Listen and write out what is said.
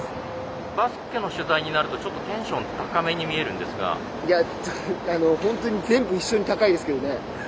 バスケの取材になるとちょっとテンション高めに本当に全部一緒に高いですけどね。